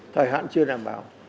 thời hạn chưa đảm bảo